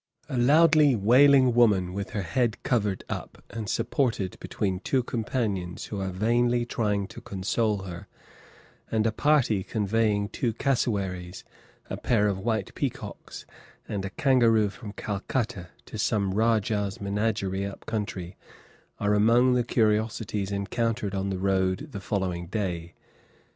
A loudly wailing woman with her head covered up, and supported between two companions who are vainly trying to console her, and a party conveying two cassowaries, a pair of white peacocks, and a kangaroo from Calcutta to some rajah's menagerie up country, are among the curiosities encountered on the road the following day.